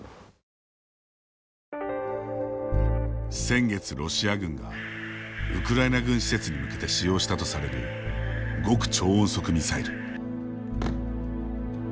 先月、ロシア軍がウクライナ軍施設に向けて使用したとされる極超音速ミサイル。